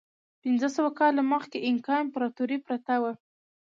پنځه سوه کاله مخکې اینکا امپراتورۍ پرته وه.